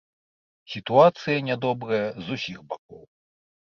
Сітуацыя нядобрая з усіх бакоў.